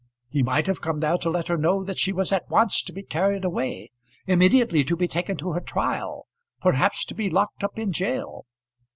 He might have come there to let her know that she was at once to be carried away immediately to be taken to her trial perhaps to be locked up in gaol.